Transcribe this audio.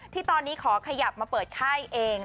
ที่ตอนนี้ขอขยับมาเปิดค่ายเอง